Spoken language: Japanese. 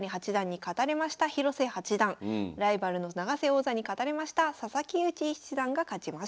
ライバルの永瀬王座に勝たれました佐々木勇気七段が勝ちました。